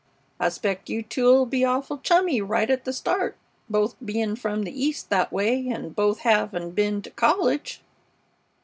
I 'spect you two 'll be awful chummy right at the start, both bein' from the East that way, an' both hevin' ben to college."